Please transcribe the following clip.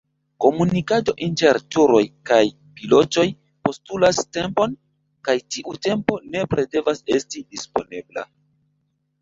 Komunikado inter turoj kaj pilotoj postulas tempon, kaj tiu tempo nepre devas esti disponebla.